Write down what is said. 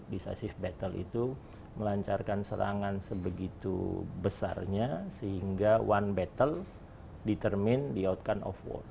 decisive battle itu melancarkan serangan sebegitu besarnya sehingga one battle determin di outcome of wall